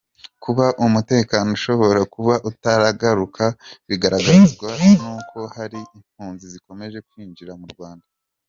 Kuba umutekano ushobora kuba utaragaruka bigaragazwa n’uko hari impunzi zikomeje kwinjira mu Rwanda.